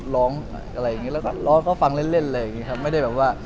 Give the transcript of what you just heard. ลองเพลงเขาฟังอ่ะ